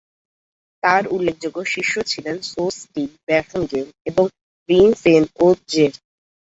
তার উল্লেখযোগ্য শিষ্য ছিলেন ছোস-ক্যি-ব্শেস-গ্ন্যেন এবং রিন-ছেন-'ওদ-জের।